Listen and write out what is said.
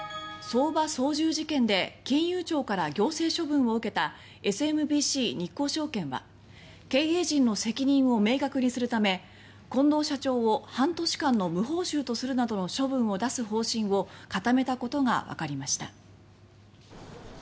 相場操縦事件で金融庁から行政処分を受けたＳＭＢＣ日興証券は経営陣の責任を明確にするため近藤社長を半年間の無報酬とするなどの処分を出す方針を固めたことがわかりました。